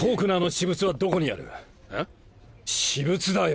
私物だよ